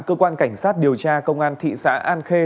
cơ quan cảnh sát điều tra công an thị xã an khê